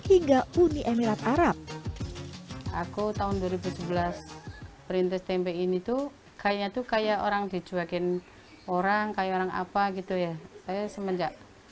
ini tuh kayaknya tuh kayak orang dijuangin orang kayak orang apa gitu ya eh semenjak